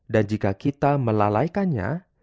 dan jika kita melalaikannya